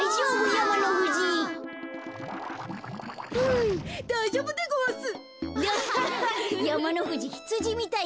やまのふじひつじみたいになってる。